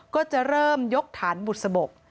ก็จะเริ่มยกฐานบุษบก